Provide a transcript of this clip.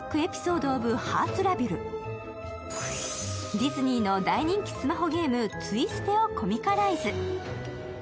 ディズニーの大人気スマホゲーム、ツイステをコミカライズ。